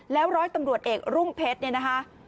แล้วร้อยตำรวจเอกรุ่งเพชร